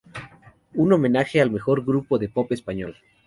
Un homenaje al mejor grupo de pop en español"".